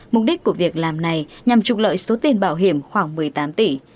mục đích của việc làm này nhằm trục lợi số tiền bảo hiểm khoảng một mươi tám tỷ